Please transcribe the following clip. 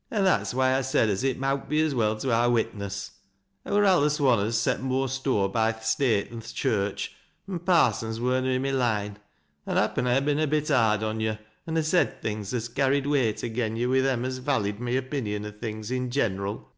" An' that's why I said as It mowt be as well to ha' a witness. I wur alius one as set more store by th' state than th' church, an' parsona wur na i' my line, an' happen I ha' ben a bit hard on yo', an' ha' said things as carried weight agen yo' wi' them as valleyed my opinion o' things i' general.